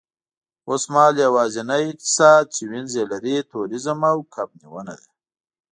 اوسمهال یوازینی اقتصاد چې وینز یې لري، تورېزم او کب نیونه ده